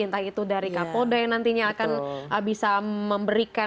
entah itu dari kapolda yang nantinya akan bisa memberikan